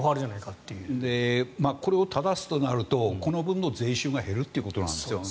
これを正すとなるとこの分の税収が減るということなんです。